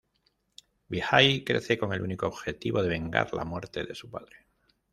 Vijay crece con el único objetivo de vengar la muerte de su padre.